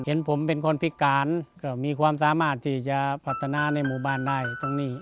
เห็นผมเป็นคนพิการก็มีความสามารถที่จะพัฒนาในหมู่บ้านได้ตรงนี้